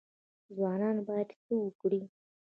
ځوانان باید څه وکړي؟